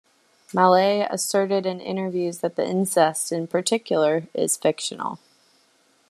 Malle asserted in interviews that the incest, in particular, is fictional.